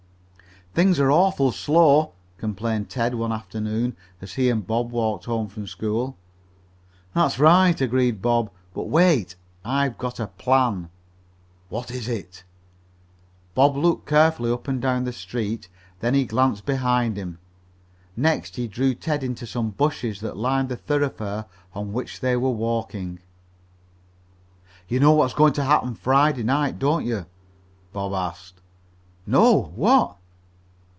"Things are awful slow," complained Ted one afternoon as he and Bob walked home from school. "That's right," agreed Bob. "But wait. I've got a plan." "What is it?" Bob looked carefully up and down the street. Then he glanced behind him. Next he drew Ted into some bushes that lined the thoroughfare on which they were walking. "You know what's going to happen Friday night, don't you?" Bob asked. "No; what?"